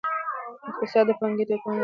اقتصاد د پانګې د ګټې او تاوان ارزونه کوي.